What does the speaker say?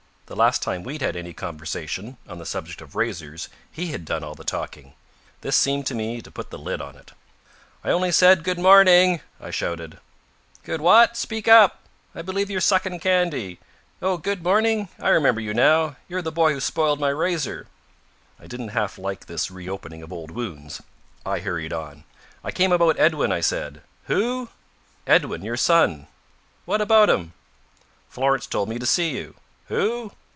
The last time we'd had any conversation on the subject of razors he had done all the talking. This seemed to me to put the lid on it. "I only said 'Good morning,'" I shouted. "Good what? Speak up. I believe you're sucking candy. Oh, good morning? I remember you now. You're the boy who spoiled my razor." I didn't half like this reopening of old wounds. I hurried on. "I came about Edwin," I said. "Who?" "Edwin. Your son." "What about him?" "Florence told me to see you." "Who?"